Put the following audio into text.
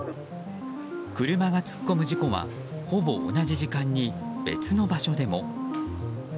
車が突っ込む時間はほぼ同じ時間に、別の場所でも。